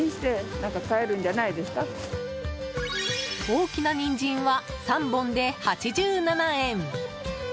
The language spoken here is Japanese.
大きなニンジンは３本で８７円。